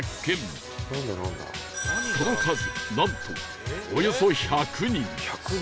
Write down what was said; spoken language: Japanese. その数なんとおよそ１００人１００人。